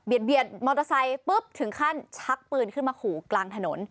เบียดมอเตอร์ไซค์ปุ๊บถึงขั้นชักปืนขึ้นมาขู่กลางถนน